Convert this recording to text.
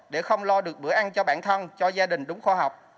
để không lo được bữa ăn cho bản thân cho gia đình đúng khoa học